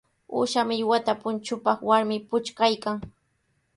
Uusha millwata punchupaq warmi puchkaykan.